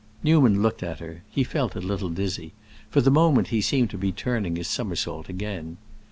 Newman looked at her; he felt a little dizzy; for the moment he seemed to be turning his somersault again.